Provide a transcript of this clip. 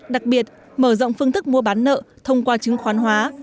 đặc biệt mở rộng phương thức mua bán nợ thông qua chứng khoán hóa